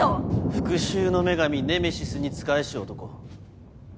復讐の女神ネメシスに仕えし男。